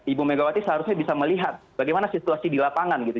ibu megawati seharusnya bisa melihat bagaimana situasi di lapangan gitu